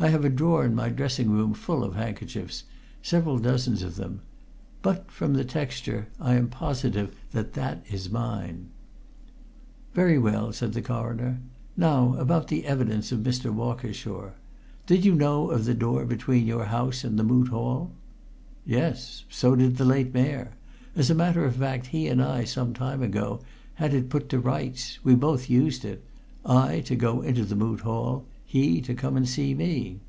I have a drawer in my dressing room full of handkerchiefs several dozens of them. But from the texture I am positive that that is mine." "Very well," said the Coroner. "Now about the evidence of Mr. Walkershaw. Did you know of the door between your house and the Moot Hall?" "Yes! So did the late Mayor. As a matter of fact, he and I, some time ago, had it put to rights. We both used it; I, to go into the Moot Hall; he, to come and see me."